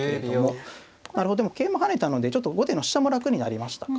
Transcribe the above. なるほどでも桂馬跳ねたのでちょっと後手の飛車も楽になりましたか。